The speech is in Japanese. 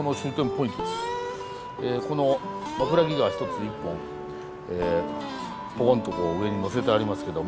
この枕木が１つ１本ポコンと上に載せてありますけども。